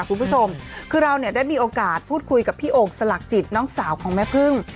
คุณผู้ชมคือเราเนี่ยได้มีโอกาสพูดคุยกับพี่โอ่งสลักจิตน้องสาวของแม่พึ่ง